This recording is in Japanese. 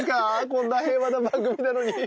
こんな平和な番組なのに。